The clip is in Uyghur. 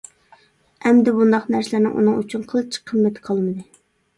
ئەمدى بۇنداق نەرسىلەرنىڭ ئۇنىڭ ئۈچۈن قىلچە قىممىتى قالمىدى.